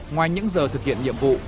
ngoài những giờ thực hiện nhiệm vụ